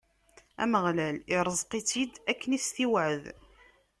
Ameɣlal ireẓq-itt-id, akken i s-t-iwɛed.